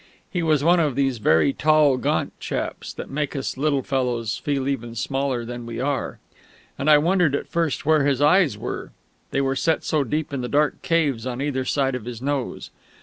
He was one of these very tall, gaunt chaps, that make us little fellows feel even smaller than we are; and I wondered at first where his eyes were, they were set so deep in the dark caves on either side of his nose.